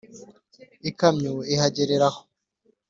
ikamyo ihagarara aho